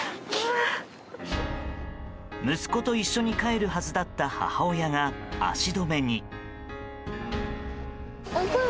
息子と一緒に帰るはずだった母親が足止めに。